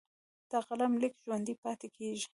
د قلم لیک ژوندی پاتې کېږي.